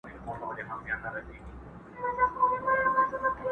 د پيشو په مخكي زوره ور نه پردى سي!!